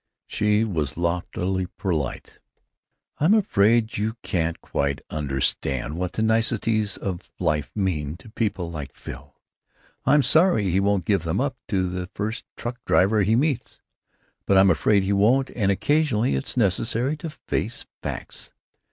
She was loftily polite. "I'm afraid you can't quite understand what the niceties of life mean to people like Phil. I'm sorry he won't give them up to the first truck driver he meets, but I'm afraid he won't, and occasionally it's necessary to face facts!